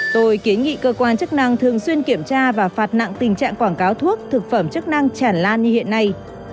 tôi kiến nghị cơ quan chức năng thường xuyên kiểm tra và phạt nặng tình trạng quảng cáo thuốc thực phẩm chức năng chản lan như hiện nay